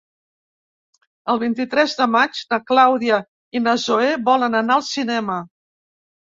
El vint-i-tres de maig na Clàudia i na Zoè volen anar al cinema.